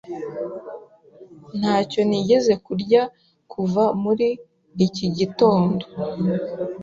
Ntacyo nigeze kurya kuva muri iki gitondo.